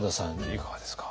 いかがですか？